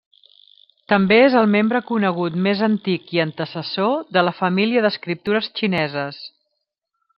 També és el membre conegut més antic i antecessor de la família d'escriptures xineses.